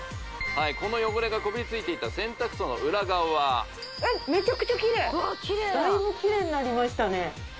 この汚れがこびりついていた洗濯槽の裏側はメチャクチャキレイだいぶキレイになりましたね